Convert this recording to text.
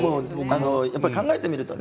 考えてみると。